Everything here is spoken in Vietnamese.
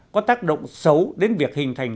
có tác động xấu đến việc hình thành